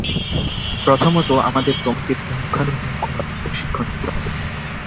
প্রথমত, আমাদের তোমাকে পুঙ্খানুপুঙ্খভাবে প্রশিক্ষণ দিতে হবে।